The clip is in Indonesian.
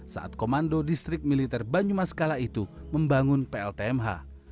saat komando distrik militer banyumaskala itu membangun pltmh